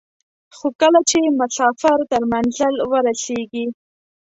خو کله چې مسافر تر منزل ورسېږي.